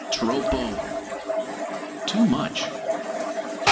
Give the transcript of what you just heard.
Troppo too much.